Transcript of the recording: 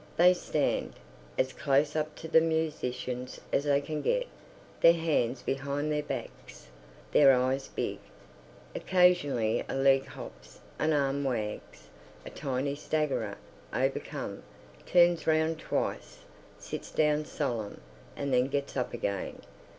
They stand, as close up to the musicians as they can get, their hands behind their backs, their eyes big. Occasionally a leg hops, an arm wags. A tiny staggerer, overcome, turns round twice, sits down solemn, and then gets up again.